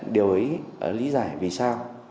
điều ấy lý giải vì sao